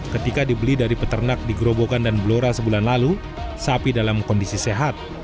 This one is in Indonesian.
ketika dibeli dari peternak di gerobokan dan blora sebulan lalu sapi dalam kondisi sehat